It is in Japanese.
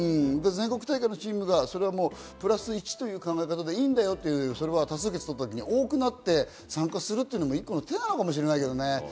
全国大会のチームがプラス１という考え方でいいんだよという多数決をとった時に、多くなって参加するというのも一個の手なのかもしれないけどね。